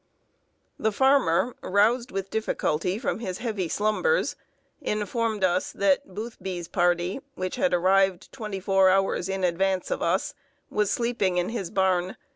] The farmer, roused with difficulty from his heavy slumbers, informed us that Boothby's party, which had arrived twenty four hours in advance of us, was sleeping in his barn.